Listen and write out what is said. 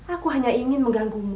aku hanya ingin mengganggumu